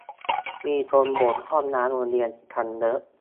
มีคนบ่นห้องน้ำโรงเรียนกันเยอะ